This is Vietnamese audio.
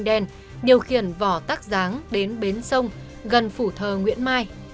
điều khiển vỏ tắc dáng đến bến sông gần phủ thờ nguyễn mai